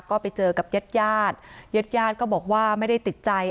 ก็ไปเจอกับญาติญาติก็บอกว่าไม่ได้ติดใจ